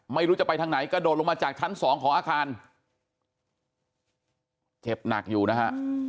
ไม่รู้จะไปทางไหนกระโดดลงมาจากชั้นสองของอาคารเจ็บหนักอยู่นะฮะ